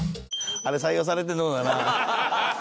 あれ採用されてるのかな？